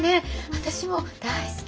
私も大好きで。